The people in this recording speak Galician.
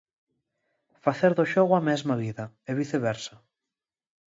Facer do xogo a mesma vida, e viceversa.